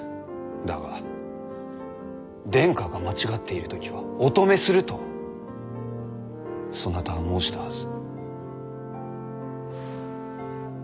だが殿下が間違っている時はお止めするとそなたは申したはず。